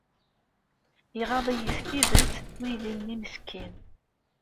Iɣaḍ-iyi s tidet uydi-nni meskin.